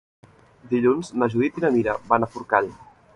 Dilluns na Judit i na Mira van a Forcall.